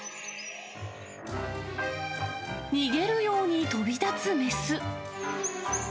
逃げるように飛び立つ雌。